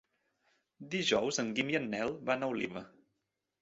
Dijous en Guim i en Nel van a Oliva.